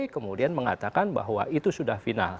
kemudian mengatakan bahwa itu sudah final